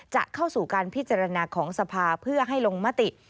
จะเข้าสู่การพิจารณาของสภาเพื่อให้ลงมติ